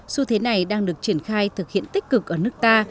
xu thế này đang được triển khai thực hiện tích cực ở nước ta